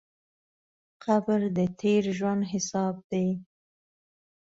قبر د تېر ژوند حساب دی.